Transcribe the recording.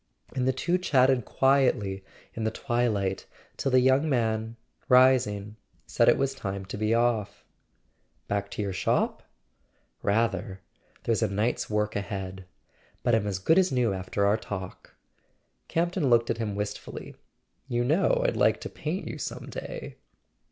And the two chatted quietly in the twilight till the young man, rising, said it was time to be off. "Back to your shop ?"[ 413 ] A SON AT THE FRONT "Rather! There's a night's work ahead. But I'm as good as new after our talk." Campton looked at him wistfully. "You know I'd like to paint you some day."